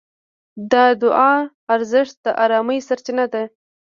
د دعا ارزښت د ارامۍ سرچینه ده.